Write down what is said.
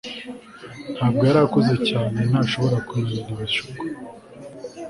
ntabwo yari akuze cyane, ntashobora kunanira ibishuko